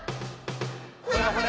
「ほらほら